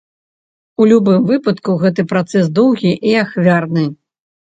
У любым выпадку гэта працэс доўгі і ахвярны.